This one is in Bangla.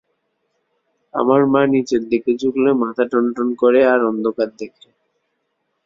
আমার মা নিচের দিকে ঝুকলে মাথা টনটন করে আর অন্ধকার দেখে।